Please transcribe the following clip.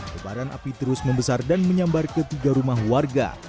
kebaran api terus membesar dan menyambar ketiga rumah warga